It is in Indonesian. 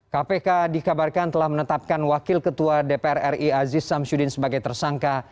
kpk dikabarkan telah menetapkan wakil ketua dpr ri aziz samsudin sebagai tersangka